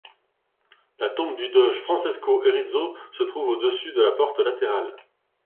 La tombe du doge Francesco Erizzo se trouve au-dessus de la porte latérale.